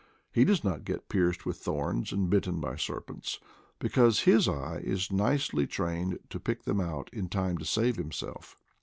He does not get pierced with thorns and bitten by serpents, be cause his eye is nicely trained to pick them out in time to save himself.